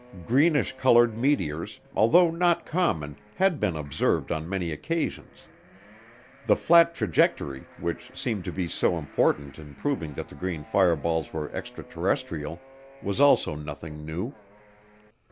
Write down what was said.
Greenish colored meteors, although not common, had been observed on many occasions. The flat trajectory, which seemed to be so important in proving that the green fireballs were extraterrestrial, was also nothing new.